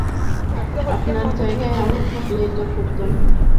আপনার জায়গায় আমি থাকলে এটা করতাম না।